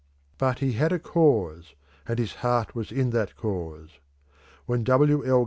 But he had a cause, and his heart was in that cause. When W. L.